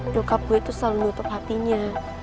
nyokap gue itu selalu nutup hatinya